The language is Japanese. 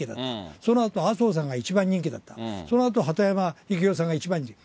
そのあと、麻生さんが一番人気だった、そのあと鳩山由紀夫さんが一番人気。